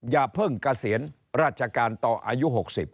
อย่าเพิ่งเกษียณราชการต่ออายุ๖๐